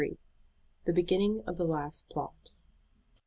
THE BEGINNING OF THE LAST PLOT.